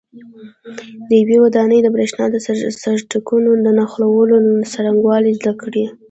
د یوې ودانۍ د برېښنا د سرکټونو د نښلولو څرنګوالي زده کړئ.